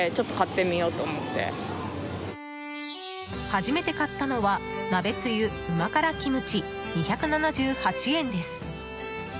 初めて買ったのは鍋つゆ旨辛キムチ２７８円です。